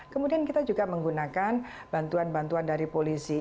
kemudian kita juga menggunakan bantuan bantuan dari polisi